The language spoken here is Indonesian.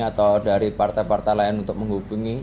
atau dari partai partai lain untuk menghubungi